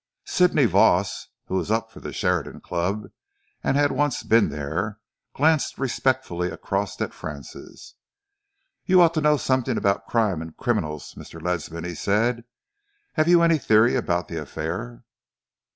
Sidney Voss, who was up for the Sheridan Club and had once been there, glanced respectfully across at Francis. "You ought to know something about crime and criminals, Mr. Ledsam," he said. "Have you any theory about the affair?"